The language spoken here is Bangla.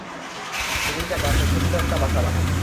চড়ুইটা গাছে ছোট্ট একটা বাসা বানায়।